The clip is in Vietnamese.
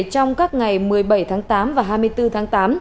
trong các ngày một mươi bảy tháng tám và hai mươi bốn tháng tám